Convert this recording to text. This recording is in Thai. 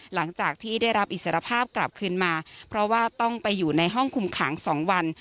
หลังจากที่ได้รับอิสรภาพกลับคืนมาเพราะว่าต้องไปอยู่ในห้องคุมขัง๒วัน